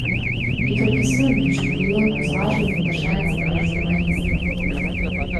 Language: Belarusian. І толькі сёння чэмпіён узважана выбачаецца перад журналістамі.